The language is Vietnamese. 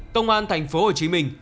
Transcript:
công an thành phố hồ chí minh